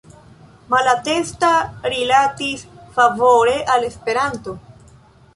Malatesta rilatis favore al Esperanto.